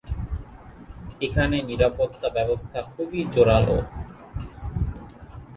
এখানে নিরাপত্তা ব্যবস্থা খুবই জোরালো।